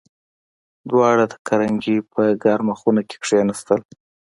دواړه د کارنګي په ګرمه خونه کې کېناستل